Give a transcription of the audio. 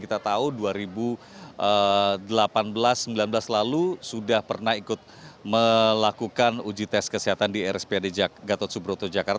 kita tahu dua ribu delapan belas dua ribu sembilan belas lalu sudah pernah ikut melakukan uji tes kesehatan di rspad gatot subroto jakarta